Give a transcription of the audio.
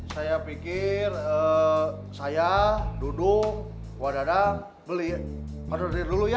saya pikir saya duduk wadah wadah beli on the deal dulu ya